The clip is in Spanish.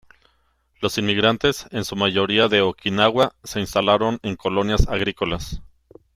Los inmigrantes, en su mayoría de Okinawa, se instalaron en colonias agrícolas.